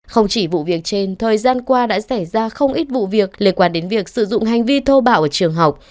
không chỉ vụ việc trên thời gian qua đã xảy ra không ít vụ việc liên quan đến việc sử dụng hành vi thô bạo ở trường học